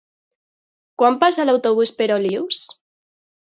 Quan passa l'autobús per Olius?